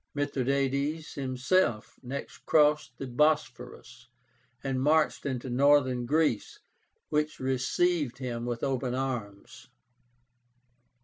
Mithradátes himself next crossed the Bosphorus, and marched into Northern Greece, which received him with open arms.